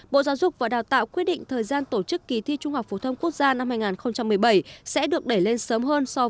bộ giáo dục và đào tạo quyết định thời gian tổ chức kỳ thi trung học phổ thông quốc gia năm hai nghìn một mươi bảy